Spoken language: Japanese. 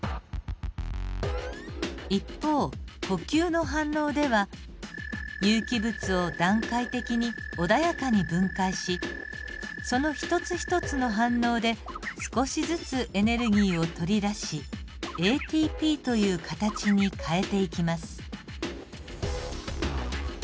一方呼吸の反応では有機物を段階的に穏やかに分解しその一つ一つの反応で少しずつエネルギーを取り出しＡＴＰという形に変えていきます。